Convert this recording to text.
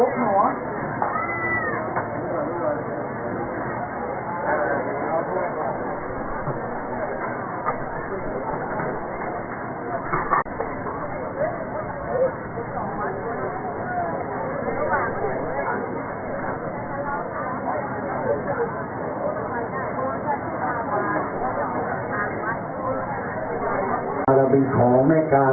สวัสดีครับสวัสดีครับ